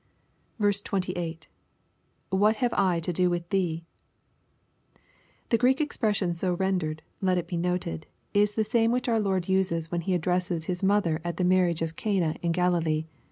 28. — [What have I to dA with theef] The Greek expression so rendered, let it be noted, is the same which our Lord uses when He addresses His mother at the marriage of Cana in Gkdilee.